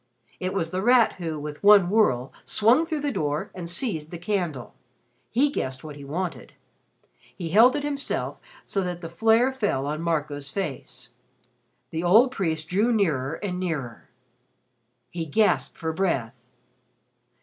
It was The Rat who, with one whirl, swung through the door and seized the candle. He guessed what he wanted. He held it himself so that the flare fell on Marco's face. The old priest drew nearer and nearer. He gasped for breath.